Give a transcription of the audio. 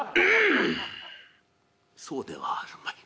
「そうではあるまい。